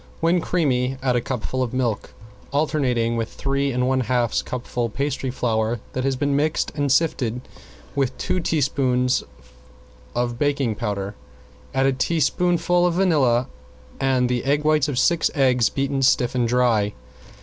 When creamy add a cupful of milk, alternating with three and one half cupfuls pastry flour that has been mixed and sifted with two teaspoonfuls of baking powder. Add a teaspoonful of vanilla and the whites of six eggs beaten stiff and dry.